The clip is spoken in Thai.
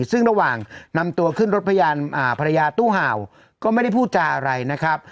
ซึ่งระหว่างนำตัวขึ้นรถพยานภรรยาตู้เห่าก็ไม่ได้พูดจาอะไรนะครับ